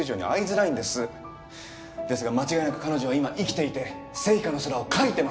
ですが間違いなく彼女は今生きていて『ＳＥＩＫＡの空』を描いてます！